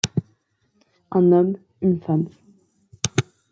Un homme, une femme.